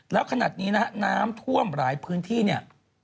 แล้วขนาดนี้นะฮะน้ำท่วมหลายพื้นที่เนี่ย